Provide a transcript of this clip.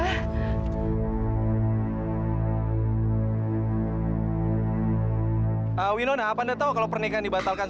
pak winana apa anda tahu kalau pernikahan dibatalkan